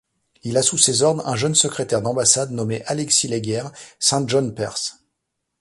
Il a sous ses ordres un jeune secrétaire d'ambassade nommé Alexis Leger, Saint-John Perse.